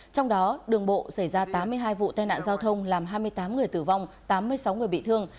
trong đó đường bộ xảy ra tám mươi hai vụ tai nạn giao thông làm hai mươi tám người tử vong tám mươi sáu người bị thương